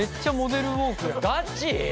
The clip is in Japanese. ガチ？